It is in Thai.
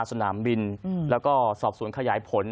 สนามบินแล้วก็สอบสวนขยายผล